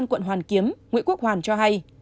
quận hoàn kiếm nguyễn quốc hoàn cho hay